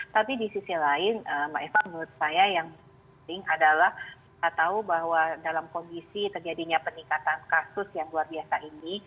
tapi di sisi lain mbak eva menurut saya yang penting adalah kita tahu bahwa dalam kondisi terjadinya peningkatan kasus yang luar biasa ini